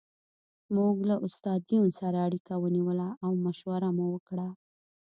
موږ له استاد یون سره اړیکه ونیوله او مشوره مو وکړه